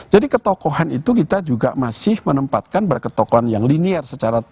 jadi ketokohan itu kita juga masih menempatkan berketokohan yang linier